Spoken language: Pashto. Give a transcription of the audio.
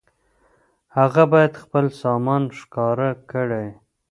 هغه بايد خپل سامان ښکاره کړي.